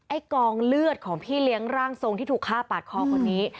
กองเลือดของพี่เลี้ยงร่างทรงที่ถูกฆ่าปาดคอคนนี้